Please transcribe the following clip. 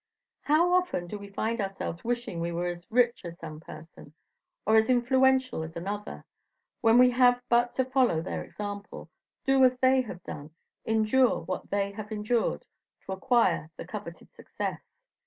How often do we find ourselves wishing we were as rich as some person, or as influential as another; when we have but to follow their example, do as they have done, endure what they have endured to acquire the coveted success.